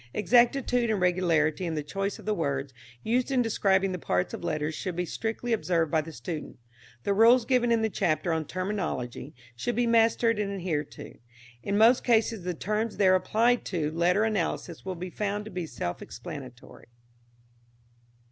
Exactitude and regularity in the choice of the words used in describing the parts of letters should be strictly observed by the student. The rules given in the chapter on "Terminology" should be mastered and adhered to. In most cases the terms there applied to letter analysis will be found to be self explanatory.